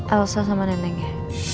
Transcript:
elsa sama neneknya